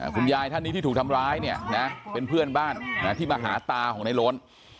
คุณยายท่านนี้ที่ถูกทำร้ายเนี่ยนะเป็นเพื่อนบ้านที่มาหาตาของในโล้น